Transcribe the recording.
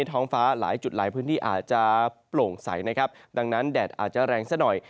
ท้องฟ้าหลายจุดหลายพื้นที่อาจจะโปร่งใสนะครับดังนั้นแดดอาจจะแรงซะหน่อย